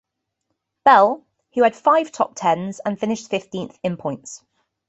Bell, who had five top-tens and finished fifteenth in points.